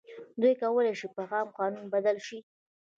دوی کولای شي په عام قانون بدل شي.